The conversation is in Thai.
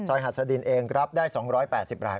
หัสดินเองรับได้๒๘๐ราย